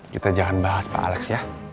kita jangan bahas pak alex ya